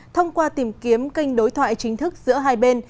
thông qua tìm kiếm kênh đối thoại chính thức giữa hai bên